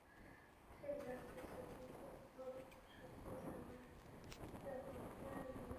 এদিকে গ্রেপ্তার ছয়জনকে গতকাল রোববার সকালে থানা থেকে আলমডাঙ্গার আমলি আদালতে পাঠানো হয়।